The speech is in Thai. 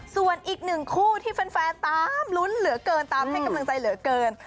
ส่วนอีกหนึ่งคู่ที่แฟนตามลุ้นเหลือเกินตามให้กำลังใจเหลือเกิน